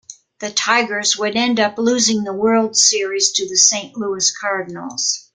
The Tigers would end up losing the World Series to the Saint Louis Cardinals.